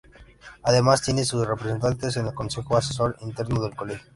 Además tiene sus representantes en el Consejo Asesor Interno del Colegio.